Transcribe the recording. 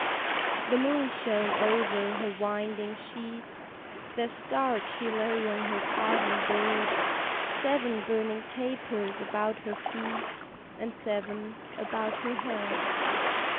The moon shone over her winding sheet, There stark she lay on her carven bed: Seven burning tapers about her feet, And seven about her head.